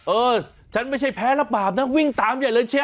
เออฉันไม่ใช่แพ้รับบาปนะวิ่งตามใหญ่เลยเชียว